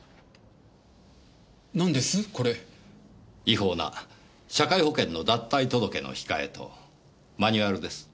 違法な社会保険の脱退届の控えとマニュアルです。